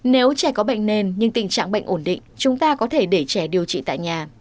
nếu trẻ có bệnh nền nhưng tình trạng bệnh ổn định chúng ta có thể để trẻ điều trị tại nhà